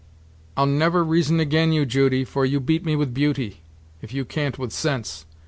"I'll never reason ag'in you, Judy, for you beat me with beauty, if you can't with sense.